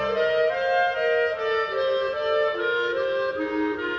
โปรดติดตามต่อไป